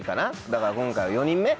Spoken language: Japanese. だから今回は４人目？